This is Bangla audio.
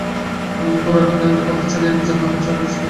গোরার কারাদণ্ডের খবর বিনয় ছাড়া মাকে আর কে দিতে পারে!